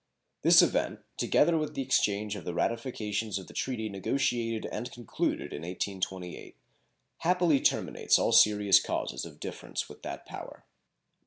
This event, together with the exchange of the ratifications of the treaty negotiated and concluded in 1828, happily terminates all serious causes of difference with that power.